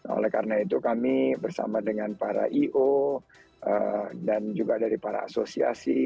oleh karena itu kami bersama dengan para i o dan juga dari para asosiasi